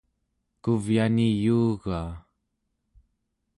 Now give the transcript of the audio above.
kuvyani yuugaa